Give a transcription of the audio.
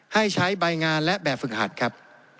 ให้ใช้ใบงานและแบบฝึกหัดครับ